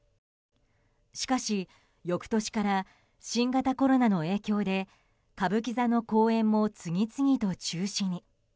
しかし翌年から新型コロナの影響で歌舞伎座の公演も次々と中止に。